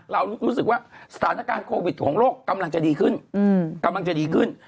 เรารู้สึกว่าสถานการณ์โควิดของโลกกำลังจะดีขึ้น